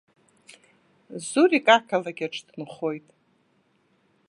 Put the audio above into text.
Зурик ақалақь аҿы дынхоит.